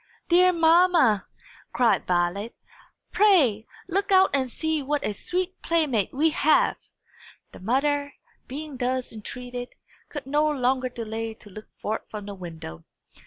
"Dear mamma!" cried Violet, "pray look out and see what a sweet playmate we have!" The mother, being thus entreated, could no longer delay to look forth from the window.